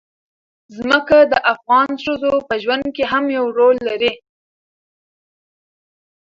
ځمکه د افغان ښځو په ژوند کې هم یو رول لري.